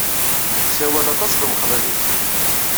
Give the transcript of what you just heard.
Tessawal aṭas d wexḍib-nnes.